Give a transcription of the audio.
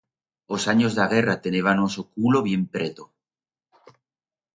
Os anyos d'a guerra tenébanos o culo bien preto.